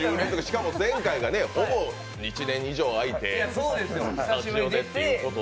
しかも前回がほぼ１年以上あいて、スタジオでってことで。